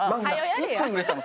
いつ売れたの？